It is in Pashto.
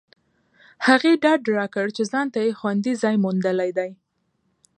هغې ډاډ راکړ چې ځانته یې خوندي ځای موندلی دی